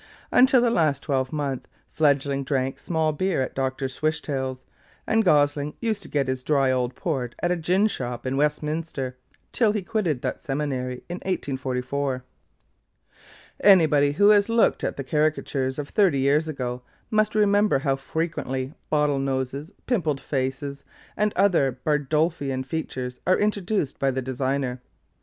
Until the last twelvemonth, Fledgling drank small beer at Doctor Swishtail's; and Gosling used to get his dry old port at a gin shop in Westminster till he quitted that seminary, in 1844. Anybody who has looked at the caricatures of thirty years ago, must remember how frequently bottle noses, pimpled faces, and other Bardolphian features are introduced by the designer.